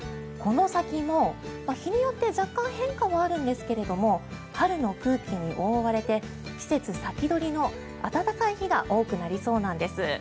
この先も日によって若干、変化はあるんですが春の空気に覆われて季節先取りの暖かい日が多くなりそうなんです。